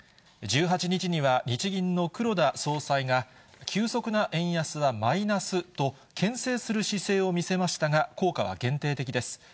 １８日には、日銀の黒田総裁が急速な円安はマイナスと、けん制する姿勢を見せましたが、効果は限定的です。